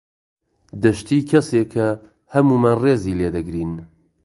دەشتی کەسێکە هەموومان ڕێزی لێ دەگرین.